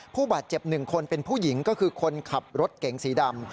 ผู้บาดเจ็บ๑คนเป็นผู้หญิงก็คือคนขับรถเก๋งสีดำ